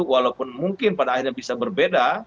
walaupun mungkin pada akhirnya bisa berbeda